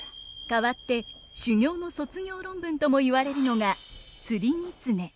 かわって修業の卒業論文とも言われるのが「釣狐」。